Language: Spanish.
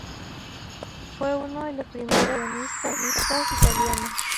Fue uno de los primeros sionistas italianos.